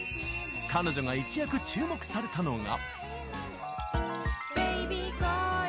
彼女が一躍、注目されたのが。